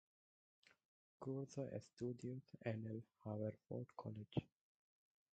Cursó estudios en el "Haverford College.